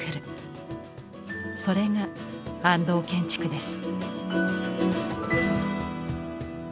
それが安藤建築です。